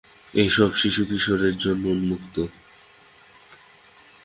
এটি সব শিশু কিশোরের জন্য উন্মুক্ত।